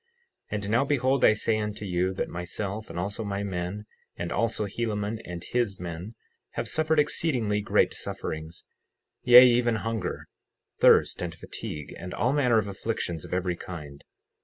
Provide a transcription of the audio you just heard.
60:3 And now behold, I say unto you that myself, and also my men, and also Helaman and his men, have suffered exceedingly great sufferings; yea, even hunger, thirst, and fatigue, and all manner of afflictions of every kind.